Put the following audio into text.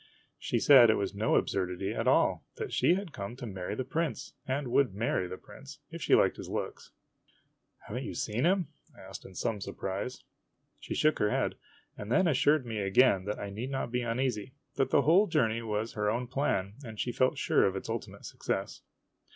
She said it was no absurdity at all. That she had come to marry the prince, and would marry the prince if she liked his looks. " Have n't you seen him ?" I asked in some surprise. She shook her head, and then assured me again that I need not be uneasy that the whole journey was her own plan, and she felt sure of its ultimate success.